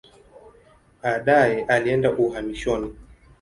Baadaye alienda uhamishoni.